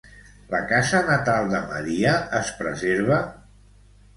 La casa natal de Maria es preserva?